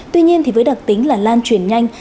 tuy nhiên với đặc tính là lan truyền nhanh